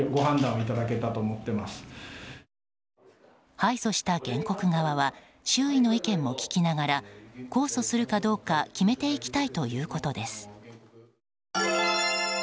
敗訴した原告側は周囲の意見も聞きながら控訴するかどうか決めていきたいということです。